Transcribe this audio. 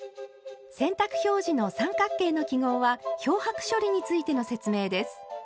洗濯表示の三角形の記号は漂白処理についての説明です。